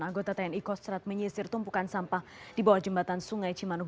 anggota tni kostrat menyisir tumpukan sampah di bawah jembatan sungai cimanuk